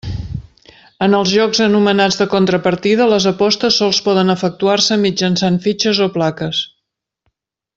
En els jocs anomenats de contrapartida, les apostes sols poden efectuar-se mitjançant fitxes o plaques.